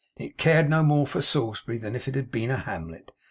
It cared no more for Salisbury than if it had been a hamlet.